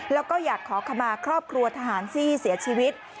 แล้วก็อยากขอขมาครอบครัวทหารที่เสียชีวิต